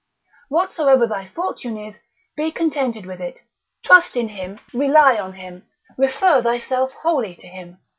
Whatsoever thy fortune is, be contented with it, trust in him, rely on him, refer thyself wholly to him.